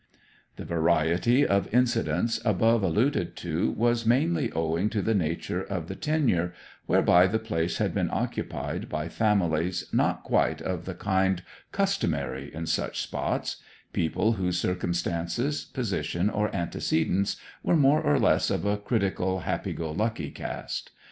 The variety of incidents above alluded to was mainly owing to the nature of the tenure, whereby the place had been occupied by families not quite of the kind customary in such spots people whose circumstances, position, or antecedents were more or less of a critical happy go lucky cast.